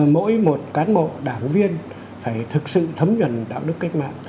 mỗi một cán bộ đảng viên phải thực sự thấm nhuận đạo đức cách mạng